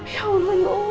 ya allah no